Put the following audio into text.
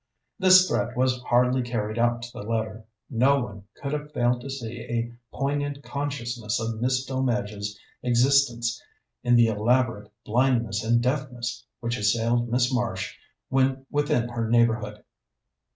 This threat was hardly carried out to the letter. No one could have failed to see a poignant consciousness of Miss Delmege's existence in the elaborate blindness and deafness which assailed Miss Marsh when within her neighbourhood.